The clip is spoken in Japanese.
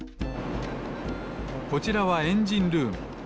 こちらはエンジンルーム。